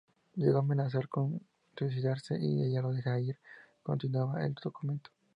Llegó a amenazar con suicidarse si ella lo dejaba ir, continuaba el documento.